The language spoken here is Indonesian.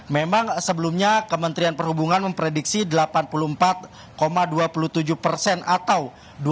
memang sebelumnya kementerian perhubungan memprediksi delapan puluh empat dua puluh tujuh persen atau dua